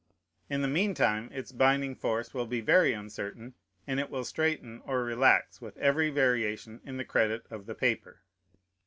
In the mean time its binding force will be very uncertain, and it will straiten or relax with every variation in the credit of the paper.